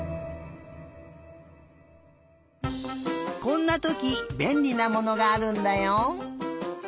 こんなときべんりなものがあるんだよ。